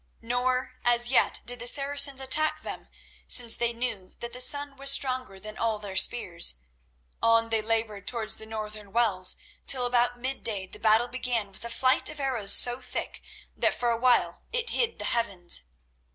Nor as yet did the Saracens attack them, since they knew that the sun was stronger than all their spears. On they laboured towards the northern wells, till about mid day the battle began with a flight of arrows so thick that for awhile it hid the heavens.